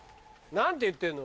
何て言ってんの？